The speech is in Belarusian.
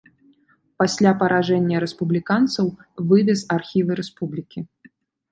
Пасля паражэння рэспубліканцаў вывез архівы рэспублікі.